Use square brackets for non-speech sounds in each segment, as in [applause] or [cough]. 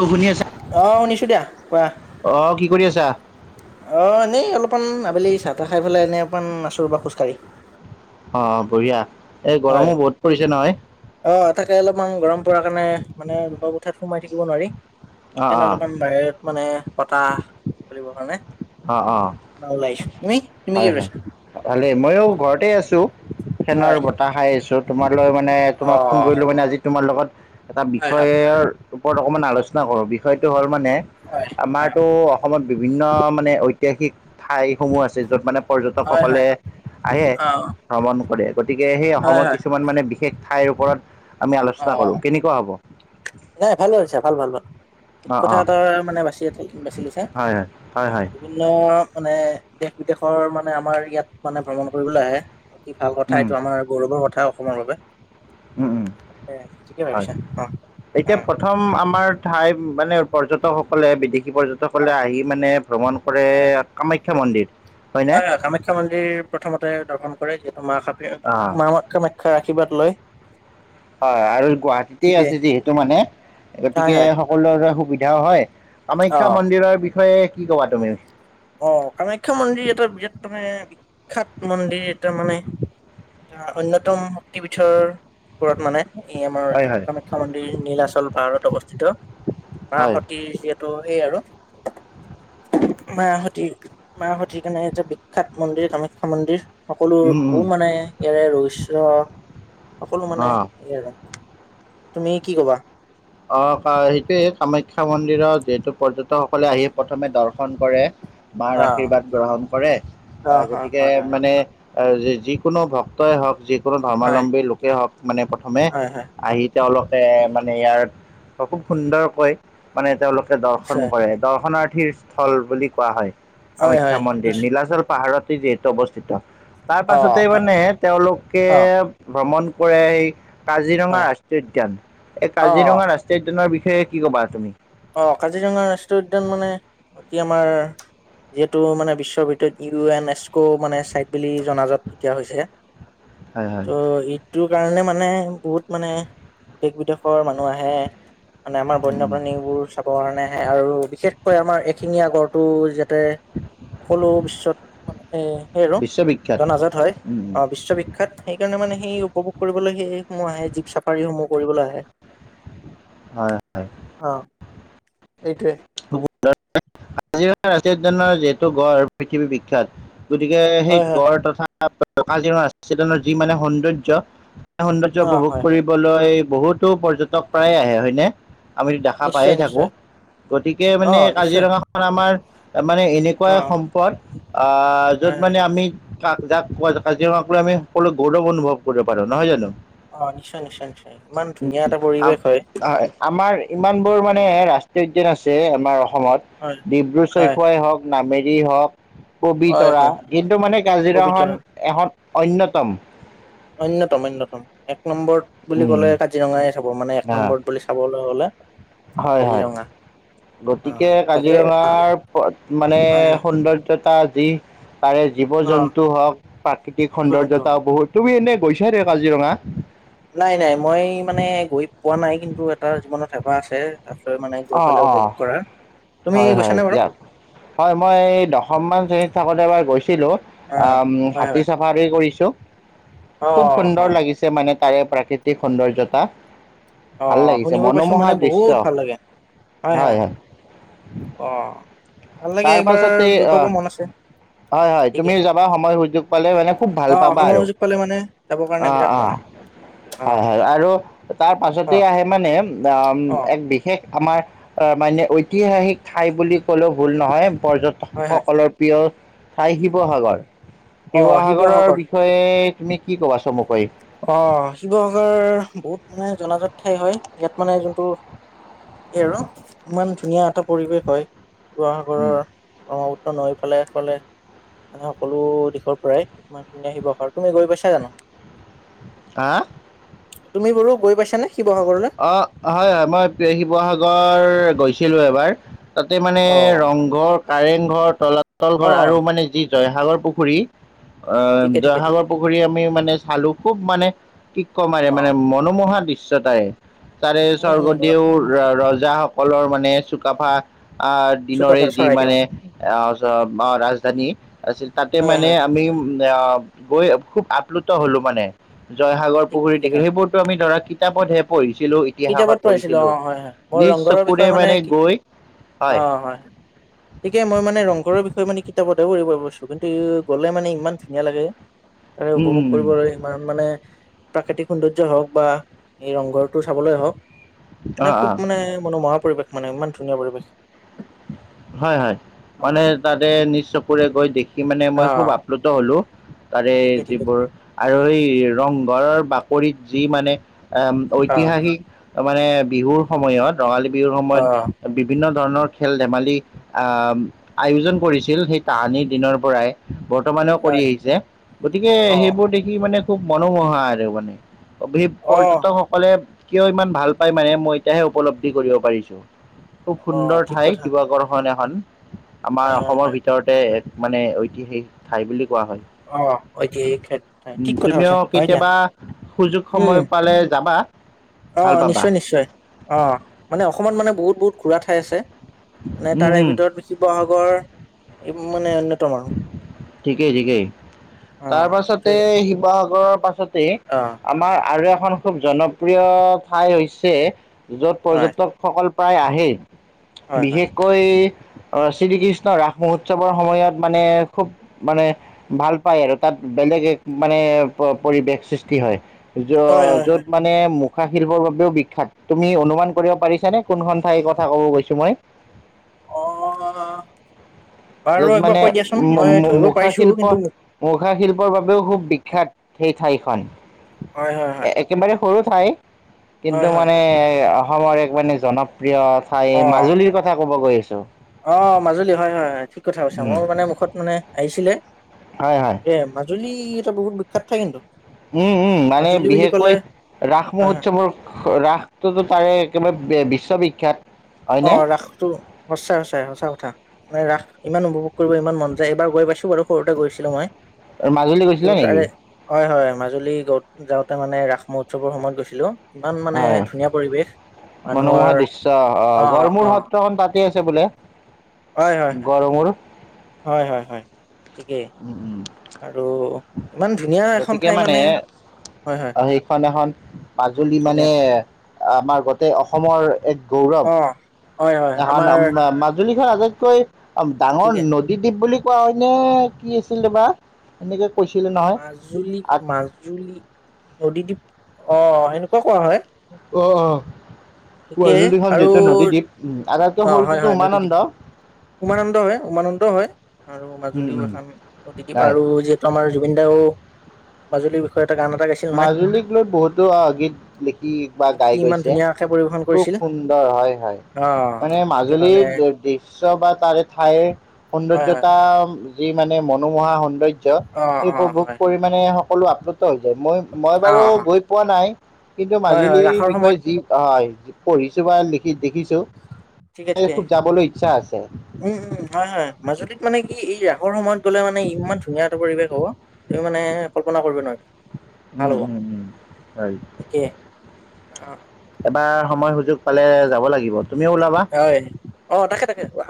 অ', শুনি আছা? অঁহ শুনিছো দিয়া। কোৱা? অ', কি কৰি আছা? অ এনেই অলপমান আ বেলি চাহ তাহ খাই পেলাই এনে অকণ আছো ৰবা খোজকাঢ়ি। অ বঢ়িয়া এই হয় গৰমো বহুত পৰিছে নহয়। অ তাকে অলপমান গৰম পৰাৰ কাৰণে মানে ৰোমৰ কোঠাত সোমাই থাকিব নোৱাৰি। অ', সেইকাৰণে অ', অলপমান বাহিৰত মানে বতাহ লব কাৰণে, অ', অ', ওলাই আহিছো তুমি তুমি কি কৰিছা? মইয়ো ঘৰতে আছো। হয় ফেনৰ বতাহ খাই আছো, তোমালৈ মানে অ তোমাক ফোন কৰিলো মানে আজি তোমাৰ লগত এটা হয় হয় বিষয়ৰ ওপৰত অকমান আলোচনা কৰো বিষয়টো হ'ল মানে হয় আমাৰতো অসমত বিভিন্ন মানে ঐতিহাসিক ঠাইসমূহ আছে য'ত মানে অ হয় হয় পৰ্যটকসকলে আহে অ ভ্ৰমণ কৰে, গতিকে সেই হয় অসমৰ হয় কিছুমান মানে বিশেষ ঠাইৰ ওপৰত আমি আলোচনা কৰোঁ কেনেকুৱা হ'ব? এই এফালেও হৈছে ভাল ভাল ভাল ঠিক অ', কথা অ', এটা মানে বাচি বাচি লৈছা। হয়, হয়, হয়, হয়। বিভিন্ন মানে দেশ বিদেশ ৰ মানে আমাৰ ইয়াত মানে ভ্ৰমণ কৰিবলৈ আহে, অতি ভাল কথা উম, এইটো আমাৰ গৌৰৱৰ কথা, অসমৰ বাবে। উম, উম, ঠিকেই হয়। ভাবিছা। অঁ এতিয়া প্ৰথম আমাৰ ঠাই মানে পৰ্যটকসকলে বিদেশ পৰ্যটকসকলে হয় আহি মানে ভ্ৰমণ কৰে হয় কামাখ্যা মন্দিৰ। হয়নে? হয় হয় কামাখ্যা মন্দিৰ প্ৰথমতে দৰ্শন কৰে যিহেতু মা অ', কামাখ্যা ৰ আশীৰ্বাদ লয়। হয় আৰু গুৱাহাটীতে ঠিকেই আছে যিহেতু মানে হয় গতিকে হয় সকলোৰে বাবে সুবিধাও হয়। অ কামাখ্যা মন্দিৰৰ বিষয়ে কি কবা তুমি? অ কামাখ্যা মন্দিৰ এটা বিৰাট মানে বিখ্যাত মন্দিৰ এটাৰ মানে। এটা অন্যতম শক্তিপীঠৰ ওপৰত মানে। এই আমাৰ হয়, যিহেতু হয়, কামাখ্যা মন্দিৰ নীলাচল পাহাৰত অৱস্থিত মাহ হয়, সতি যিহেতু এই আৰু মায়াহতি মাহাহতিৰ কাৰণে এটা বিখ্যাত মন্দিৰ কামাখ্যা মন্দিৰ, সকলো উম, উম, বহু মানে ইয়াৰে ৰহস্য সকলো মানে অ'। ইয়াৰে তুমি কি কবা। অ সেইটোয়ে কামাখ্যা মন্দিৰত যিহেতু পৰ্যটকসকলে আহি প্ৰথমে দৰ্শন কৰে। মাৰ অ আশীৰ্বাদ গ্ৰহণ কৰে অ আহ হয় গতিকে হয় মানে যিকোনো ভক্তই হওক যিকোনো হয় ধৰ্মাৱলম্বী লোকেই হওক মানে প্ৰথমে হয় হয় হয় আহি। তেওঁলোকে মানে ইয়াত খুব সুন্দৰকৈ মানে তেওঁলোকে দৰ্শন নিশ্চয় কৰে দৰ্শনাৰ্থীৰ স্থল বুলি কোৱা হয়। হয় কামাখ্যা হয় মন্দিৰ নিশ্চয় নীলাচল পাহাৰত যিহেতু অৱস্থিত তাৰ অ পাছতে হয় মানে তেওঁলোকে অ ভ্ৰমণ কৰে সেই কাজিৰঙা, হয় ৰাষ্ট্ৰীয় উদ্যান এই অ কাজিৰঙা ৰাষ্ট্ৰীয় উদ্যানৰ বিষয়ে সে কি ক'বা তুমি? অ কাজিৰঙা ৰাষ্ট্ৰীয় উদ্যান মানে অতি আমাৰ- যিহেতু মানে বিশ্বৰ ভিতৰত ইউ এন এছকো মানে চাইট বুলি জনাজাত এতিয়া হৈছে। হয় ত হয়। ই তৰ কাৰণে মানে বহুত মানে দেশ বিদেশৰ মানুহ আহে। আমাৰ বন্য উম, প্ৰাণীৰ কয় আমাৰ এশিঙীয়া, গডটো যাতে সকলো বিশ্বত মান এ সেই আৰু- বিশ্ববিখ্যাত। জনাজত হয় উম অ বিশ্ববিখ্যাত সেইকাৰণে মানে। সেই উপভোগ কৰিবলৈ সেইসমূহ আহে জীপ চাফাৰীসমূহ কৰিবলৈ আহে। হয় হয়। অ এইটোৱে জি ৰা উদানৰ যিহেতু গড় পৃথিৱী বিখ্যাত গতিকে সেই হয় হয় গড় তথাকা যি মানে সৌন্দৰ্য। সৌন্দ্জ্য, অ উপভোগ হয় হয় কৰিবলৈ বহুতো পৰ্যটক প্ৰায়ে আহে হয় নে। আমিত দেখা পায়ে নিশ্চয় থাকো নিশ্চয় গতিকে অ মানে নিশ্চয় কাজিৰঙাখন আমাৰ। তাৰ মানে এনেকুৱা অ সম্পদ য'ত হয় হয় মানে আমি কাক জাক কাজিৰঙা আমি সকলো গৌৰৱ অনুভৱ কৰিব পাৰো নহয় জানো। অ নিশ্চয় নিশ্চয় নিশ্চয় ইমান ধুনীয়া এটা পৰিৱেশ হয়। ইমান বোৰ অ মানে ৰাষ্ট্ৰীয় উদ্যান আছে আমাৰ হয় অসমত ডিব্ৰু হয় চৈখুৱাই হওক, নামেৰি হওক, কবি হয় তৰা হয় কিন্তু মানে কাজিৰঙাখন পবিতৰা এখন অন্যতম। অন্যতম অন্যতম এক নম্বৰ বুলি উম, ক'লে কাজিৰঙাই চাব মানে এক নম্বৰ বুলি চাব। হ'লে হয় হয়। কাজিৰঙা অ গতিকে তাকে ভাল কাজিৰঙাৰ মানে হয় হয় সৌন্দৰ্যতা যি- তাৰে জীৱ অ জন্তু হওক প্ৰাকৃতিক জীৱ জন্তু সৌন্দৰ্যতাও বহুত তুমি এনেই- গৈছ দে কাজিৰঙা। নাই নাই মই মানে গৈ পোৱা নাই কিন্তু এটা জীৱনত হেঁপাহ আছে। তাত লৈ মানে গৈ অঁ পেলাই অঁ উপভোগ কৰাৰ। তুমি হয় হয় গৈছানে বাৰু যাক। হয় মই এই দশমমান শ্ৰেণীত থাকোঁতে এবাৰ গৈছিলো অ হয় হাতী হয় চাফাৰী কৰিছোঁ। অ খুব হয় সুন্দৰ লাগিছে মানে তাৰে প্ৰাকৃতিক সৌন্দৰ্যতা। অ ভাল লাগিছে শুনিব পাইছো মনোমোহা মানে বহুত দৃশ্য। ভাল হয় হয় অ ভাল লাগে তাৰ একবাৰ পাছতে গৈ পাব আহ। মন আছে হয় হয় ঠিকে তুমি যাবা সময় সুযোগ পালে মানে খুব ভাল অ পাবা সময় আৰু। সুযোগ পালে মানে যাবৰ কাৰণে অ বিৰাট অ মন অ হয় হয় আৰু তাৰ পাছতে অ আহে মানে অ এক বিশেষ আমাৰ অ মানে ঐতিহাসিক ঠাই বুলি ক'লেও ভুল নহয় হয় হয় পৰ্যটকসকলৰ প্ৰিয় চাই শিৱসাগৰ। অ শিৱসাগৰৰ শিৱসাগৰ বিষয়ে তুমি কি ক'বা চমুকৈ। অ শিৱসাগৰ বহুত মানে জনাজাত ঠাই হয় ইয়াত মানে যোনটো এই আৰু ইমান ধুনীয়া এটা পৰিৱেশ হয় শিৱসাগৰৰ ব্ৰহ্মপু- নৈফালে ফালে এফালে। মানে সকলো দিশৰ পৰাই ইমান ধুনীয়া শিৱসাগৰ তুমি গৈ পাইছা জানো? হা? তুমি বাৰো গৈ পাইছ- অ হয় হয় মই শিৱসাগৰ গৈছিলো এবাৰ। তাতে মানে অ ৰংঘৰ, কাৰেং ঘৰ, তলাতল অ ঘৰ আৰু মানে যি জয় সাগৰ পুখুৰী আহ ঠিকে জয় ঠিকে ঠিকে হাগৰ পুখুৰী আমি মানে চালো খুব মানে কি কম আৰু অ মানে মনোমোহা দৃশ্য তাই, তাৰে উম উম স্বৰ্গদেউ ৰজ জা সকলৰ মানে চুকাফা আহ দিনৰে চুকাফাৰ যি চৰাইদেউ মানে ৰাজধানী আছিল তাতে হয় মানে হয় আমি উ গৈ খুব আপ্লুত হলো মানে জয়সাগৰ ঠিক পুখুৰী কথা দেখিলো সেইবোৰতো আমি ধৰা কিতাপত হে পঢ়িছ- কিতাপত পঢ়িছিলো অ হয় হয় মই নিজ ৰংঘৰৰ চকুৰে বিষয়ে মানে কি গৈ অ হয় ঠিকেই মই মানে ৰংঘৰ বিষয়ে মানে কিতাপত - কিন্তু গ'লে মানে ইমান ধুনীয়া লাগে। তাৰে উম, উপভোগ উম, উম। কৰিবলৈ ইমান মানে প্ৰাকৃতিক সৌন্দৰ্যয় হওক বা এই ৰংঘৰ। চাবলৈ হওক এনে অ', খুব অ'। মানে মনোমোহা পৰিৱেশ মানে ইমান ধুনীয়া পৰিৱেশ। হয় হয় মানে অ', তাতে নিজ চকুৰে গৈ দেখি মানে মই খুব আপ্লুত হলোঁ। তাৰে ঠিকে ঠিকে ঠিকে যিবোৰ আৰু এই ৰংঘৰৰ বাকৰিত যি মানে। অ', ঐতিহাসিক মানে বিহুৰ সময়ত ৰঙালী বিহুৰ অ', সময়ত বিভিন্ন ধৰণৰ খেল ধেমালি আয়োজন কৰিছিল সেই তাহানি দিনৰ পৰাই। বৰ্তমানেও কৰি হয় আহিছে গতিকে অ', সেইবোৰ দেখি মানে খুব মনোমোহা আৰু মানে। অভি অ', পৰ্যটকসকলে কিয় ইমান ভাল পাই মানে মই এতিয়াহে উপলব্ধি কৰিব পাৰিছো। খুব সুন্দৰ অ', ঠিক ঠাই কথা শিৱসাগৰ। এইখন এখন আমাৰ হয় হয় অসমৰ হয় ভিতৰতে এক মানে ঐতিহাসিক ঠাই বুলি কোৱা হয়। অ', ঐতিহাসিক ক্ষেত্ৰ উম, ঠিক কথা তুমিও কৈছা হয় দিয়া কেতিয়াবা সুযোগ সময় পালে যাবা। ভাল অহ, পাবা। নিশ্চয় -নিশ্চয় অহ মানে অসমত মানে বহুত- বহুত ঘুৰা ঠাই আছে। মানে উম, তাৰে উম, ভিতৰত শিৱসাগৰ মানে এইবোৰ মানে অন্যতম আৰু। ঠিকেই- ঠিকেই। তাৰ অ', পাছতে সেইটোৱে শিৱসাগৰৰ পাছতে অ', আমাৰ আৰু এখন খুব জনপ প্ৰিয় ঠাই হৈছে য'ত হয় পৰ্যটকসকল প্ৰায় আহে। হয় হয় বিশেষকৈ অহ শ্ৰীকৃষ্ণ ন 'ৰাস -মহোৎসৱৰ সময়ত মানে খুব মানে ভাল পায় আৰু তাত বেলেগ এক মানে পৰিৱেশ সৃষ্টি হয়, হয় য- হয় যত হয় মানে মুখা -শিল্পৰ বাবেও বিখ্যাত তুমি অনুমান কৰিব পাৰিছানে কোনখন ঠাইৰ কথা ক'ব গৈছো মই? অহ', য'ত মানে মুখা পাৰিছো -শিল্প কিন্তু মুখ মোক মুখা শিল্পৰ বাবেও খুব বিখ্যাত সেই ঠাইখন। হয়- হয় - হয়। একেবাৰে সৰু ঠাই কিন্তু হয় হয় মানে হয়। অসমৰ এখনি মানে জন প্ৰিয় ঠাই অ মাজুলীৰ কথা ক'ব গৈ আছো। অ', মাজুলী হয়-হয়- হয়। ঠিক কথা কৈছা উম মই মানে মুখত মানে আহিছিলে হয় হয় এ' মাজুলী ই এটা বহুত বিখ্যাত ঠাই কিন্তু। উম-উম মানে মাজুলী বুলি ক'লে বিশেষকৈ ৰাস হয় হয় মহোৎসৱৰ ৰাসটোতো তাৰে একেবাৰে বিশ্ববিখ্যাত। হয়নে অহ, ৰাসটো সঁচাই-সঁচাই সঁচা কথা মানে ৰাস ইমান উপভোগ কৰিব ইমান মন যায় এবাৰ গৈ পাইছো বাৰু। সৰুতে গৈছিলো মই মাজুলী কিন গৈছিলা নেকি? তাৰে হয়-হয়। মাজুলী গত যাওঁতে মানে ৰাস- মহোৎসৱৰ সময়ত গৈছিলোঁ ইমান মানে হয় ধুনীয়া পৰিৱেশ মানুহৰ অহ, অ গৰমুৰ অ সত্ৰখন তাতে আছে বোলে গৰমুৰ। হয়-হয়-হয়। উম-উম। আৰু ইমান ধুনীয়া এখন ঠাই মানে হয় হয় আন এইখন এখন মাজুলী মানে ধুনীয়া ঠাই আমাৰ গোটেই অসমৰ এক গৌৰৱ অ হয় হয় এখন আমাৰ [unintelligible] মাজুলীখন আটাইতকৈ ডাঙৰ ঠিকে নদীদ্বীপ বুলি কোৱা হয়নে? কি আছিল দে বা এনেকে কৈছিলে নহয় আ মাজুলী-মাজুলী নদীদ্বীপ অহ সেনেকুৱা কোৱা হয়। অহ -অহ। একেই আৰু উম আটাইতকৈ অহ সৰুটোতো হয়-হয় নদীদ্বীপ। উমানন্দ উমানন্দ হয় -উমানন্দ হয় আৰু উম মাজুলীও উম এখান নদীদ্বীপ হয় আৰু যিহেতু আমাৰ জুবিনদাও মাজুলীৰ বিষয়ে এটা গান এটা গাইছিল নহয় মাজুলীক লৈ বহুতো গীত লিখি বা গাই গীতটি ইমান গৈছে। ধুনীয়াকে পৰিবেশন খুব কৰিছিল সুন্দৰ হয়-হয়। অ মানে সেইটো কাৰণে মাজুলীৰ দৃশ্য বা তাৰে ঠাই হয় হয় সৌন্দৰ্য্যতা যি মানে মনোমোহা সৌন্দৰ্য্য অ সেই অ উপভোগ হয় কৰি হয় মানে সকলো আপ্লুত হৈ যায় মই -মই অ বাৰু অ গৈ পোৱা নাই কিন্তু হয় হয় মাজুলীৰ ৰাসৰ সময়ত বিষয়ে যি হয়, পঢ়িছো বা লিখি দেখিছো। ঠিকে - ঠিকে, খুব যাবলৈ ইচ্ছা আছে উম-উম হয়-হয় মাজুলীক মানে কি এইয়া কৰ সময়ত গলে মানে ইমান ধুনীয়া এটা পৰিৱেশ হ'ব, তুমি মানে কল্পনা কৰিব নোৱাৰবা। উম-উম-উম হয়। একে অ', এবাৰ সময় সুযোগ পালে যাব লাগিব তুমিও ওলাবা।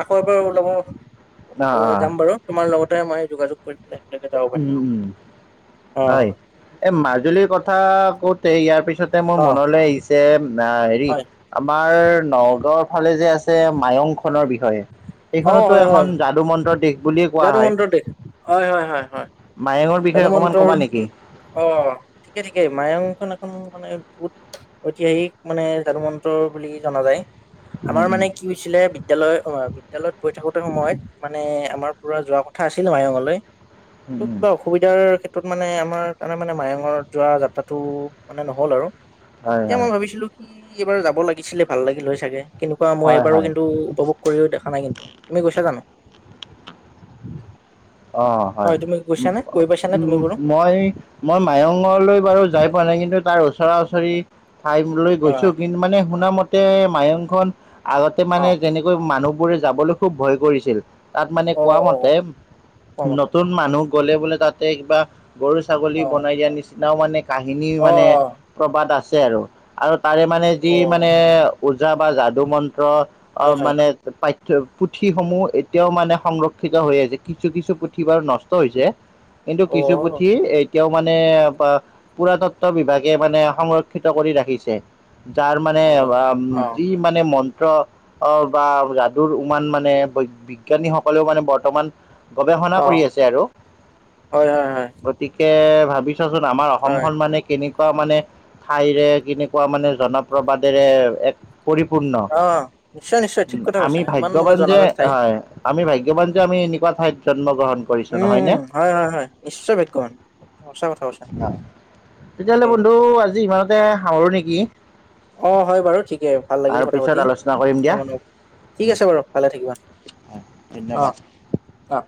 হয় বাৰু ওলাব অঁ অ' যাম অঁ বাৰু তোমাৰ লগতে মই যোগাযোগ কৰিম দে। উম-উম অ', হয়, এই মাজুলীৰ কথা কওতে ইয়াৰ পিছত তে মোৰ অ', মনলৈ আহিছে, হেৰি হয়, আমাৰ আমাৰ নগাঁওৰ ফালে যে আছে মায়ং খনৰ বিষয়ে অ', সেইখনতো হয়, এখন হয়, যাদু মন্ত্ৰৰ দিশ। যাদু মন্ত্ৰ দেশ হয়-হয়-হয়-হয়। মায়ঙৰ বিষয়ে অকণমান হনুমন্তৰ ক'বা নেকি অ ঠিকে-ঠিকে মায়ংখন এখম মানে বহুত ঐতিহাসিক মানে যাদু মন্ত্ৰ বুলি জনা যায়। উম আমাৰ উম মানে কি হৈছিলে বিদ্যালয় অ বিদ্যালয়ত পঢ়ি থাকোতে সময়ত মানে আমাৰ পুৰা যোৱা কথা আছিল মায়ঙলৈ। উম বা অসুবিধাৰ ক্ষেত্ৰত মানে আমাৰ তানে মানে মানে মায়ঙত যোৱা যাত্ৰাটো মানে নহ'ল আৰু। হয় এতিয়া হয় মই ভাবিছিলো কি এইবাৰ যাব লাগিছিলে ভাল লাগিল হৈ চাগে। কেনেকুৱা মই হয় এবাৰো হয় কিন্তু উপভোগ কৰি দেখা নাই কিন্তু তুমি গৈছা জানো। অ' হয়। তুমি গৈছা নে গৈ পাইছা নে তুমি উম বাৰু মই-মই মায়ঙলৈ বাৰু যাই পোৱা নাই কিন্তু তাৰ ওচৰত ওচৰা-ওচৰি ঠাই লৈ অ গৈছো কিন্তু মানে শুনা মতে মায়ংখন আগতে অ মানে যেনেকৈ মানুহবোৰে যাবলৈ খুব ভয় কৰিছিল তাত মানে কোৱা মতে অ অ নতুন মানুহ গলে বোলে তাতে কিবা গৰু ছাগলী বনাই দিয়া নিচিনাও মানে কাহিনী অ অ মানে প্ৰবাদ আছে আৰু, আৰু তাৰে মানে যি অ মানে পুজা বা যাদু মন্ত্ৰ অ হয় হয় মানে পাই পুথি সমূহ এতিয়াও মানে সংৰক্ষিত হৈ আছে, কিছু-কিছু পুথি বাৰু নষ্ট হৈছে। কিন্তু অ কিছু পুথি এই এতিয়াও মানে পুৰাতত্ব বিভাগে মানে সংৰক্ষিত কৰি ৰাখিছে। যাৰ মানে হয় আম, অ যি মানে মন ত অ বা যাদুৰ উমান মানে বৈ বিজ্ঞানীসকলেও মানে বৰ্তমান গৱেষণা অ কৰি আছে আৰু। হয় হয় হয় গতিকে ভাবি চোৱাচুন, আমাৰ হয় অসমখন মানে কেনেকুৱা কুৱা মানে ঠাইৰে কেনেকুৱা মানে জনপ্ৰবাদেৰে এক পৰিপূৰ্ণ, অ নিশ্চয় নিশ্চয় ঠিক কথা আমি কৈছা ইমান মানে ভাগ্যৱান যে, জনাজাত ঠাই হয় আমি ভাই গ্যবান যে আমি এনেকুৱা ঠাইত জন্ম উম- নহয় নে উম্, হয় হয়- হয় নিশ্চয় ভাগ্যৱান, সঁচা কথা কৈছা। তেতিয়াহ'লে তাকে বন্ধু আজি ইমানতে সামৰো নেকি। অ' হয় বাৰু ঠিকেই, ভাল লাগিল আৰু কথা পিছত পাতি। আলোচনা কৰিম দিয়া ক মানে ঠিক আছে বাৰু ভালে থাকিবা। অ ধন্যবাদ। অ'